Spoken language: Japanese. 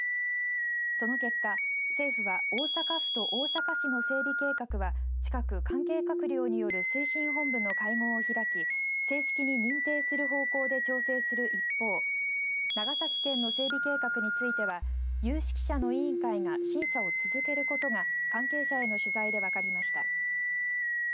その結果、政府は大阪府と大阪市の整備計画は近く関係閣僚による推進本部の会合を開き正式に認定する方向で調整する一方長崎県の整備計画については有識者の委員会が審査を続けることが関係者への取材で分かりました。